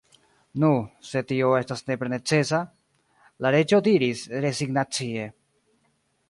« Nu, se tio estas nepre necesa," la Reĝo diris rezignacie.